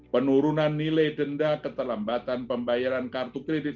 penurunan nilai denda keterlambatan pembayaran kartu kredit